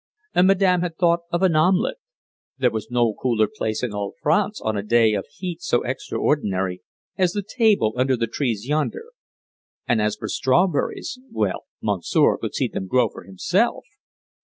And Madame had thought of an omelet! There was no cooler place in all France on a day of heat so extraordinary as the table under the trees yonder. And as for strawberries well, Monsieur could see them grow for himself!